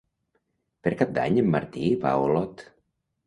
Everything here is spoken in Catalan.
Per Cap d'Any en Martí va a Olot.